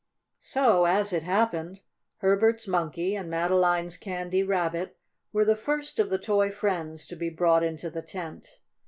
So, as it happened, Herbert's Monkey and Madeline's Candy Rabbit were the first of the toy friends to be brought into the tent.